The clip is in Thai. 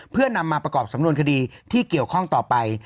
เพื่อนำมาประกอบสำนวนคดีที่เกี่ยวข้องต่อไป